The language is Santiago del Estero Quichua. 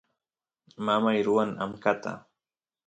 mamay ruwan amkata